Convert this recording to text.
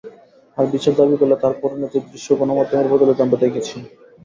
আর বিচার দাবি করলে তার পরিণতির দৃশ্যও গণমাধ্যমের বদৌলতে আমরা দেখেছি।